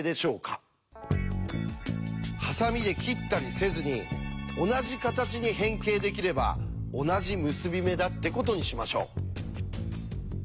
ハサミで切ったりせずに同じ形に変形できれば同じ結び目だってことにしましょう。